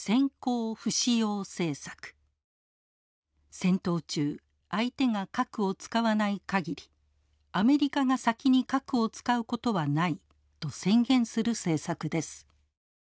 戦闘中相手が核を使わない限りアメリカが先に核を使うことはないと宣言する政策です。